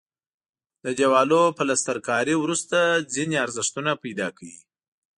د دیوالونو پلستر کاري وروسته ځینې ارزښتونه پیدا کوي.